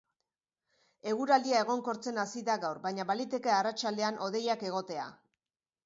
Eguraldia egonkortzen hasi da gaur, baina baliteke arratsaldean hodeiak egotea.